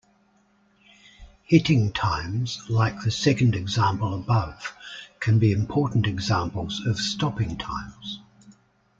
Hitting times like the second example above can be important examples of stopping times.